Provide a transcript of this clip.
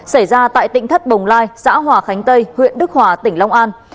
xảy ra tại tỉnh thất bồng lai xã hòa khánh tây huyện đức hòa tỉnh long an